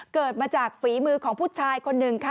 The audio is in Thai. เกิดมาจากฝีมือของผู้ชายคนหนึ่งค่ะ